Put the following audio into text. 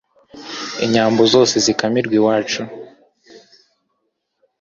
inyambo zose zikamirwe iwacu